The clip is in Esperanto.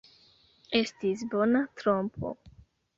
Estis bona trompo!